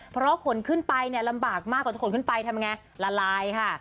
เพราะขนขึ้นไปเนี่ยลำบากมากกว่าจะขนขึ้นไปทำยังไงละลายค่ะ